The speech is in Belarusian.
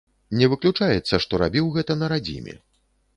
Не выключаецца, што рабіў гэта на радзіме.